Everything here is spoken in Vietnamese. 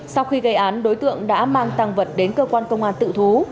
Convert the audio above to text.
sau khi gây án đối tượng đã mang tăng vật đến cơ quan công an tự thú